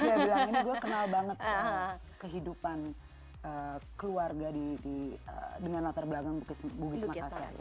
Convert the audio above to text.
dia bilang ini gue kenal banget kehidupan keluarga dengan latar belakang bugis makassar